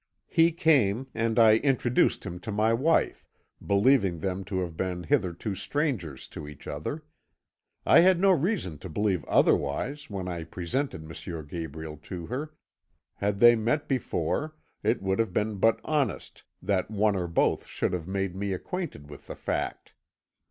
"He came, and I introduced him to my wife, believing them to have been hitherto strangers to each other. I had no reason to believe otherwise when I presented M. Gabriel to her; had they met before, it would have been but honest that one or both should have made me acquainted with the fact.